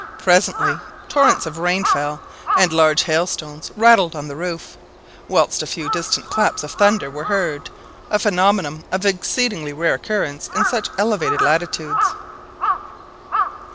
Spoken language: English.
Presently torrents of rain fell, and large hailstones rattled on the roof, whilst a few distant claps of thunder were heard, a phenomenon of exceedingly rare occurrence in such elevated latitudes.